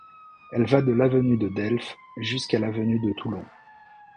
Elle va de l'avenue de Delphes jusqu'à l'avenue de Toulon.